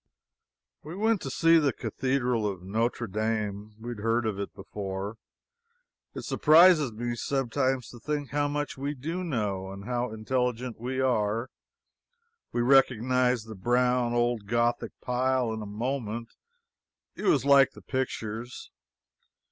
We went to see the Cathedral of Notre Dame. We had heard of it before. It surprises me sometimes to think how much we do know and how intelligent we are. We recognized the brown old Gothic pile in a moment; it was like the pictures.